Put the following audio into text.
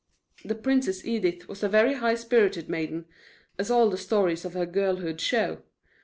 The Princess Edith was a very high spirited maiden, as all the stories of her girlhood show.